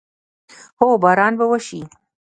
هو، باران به وشي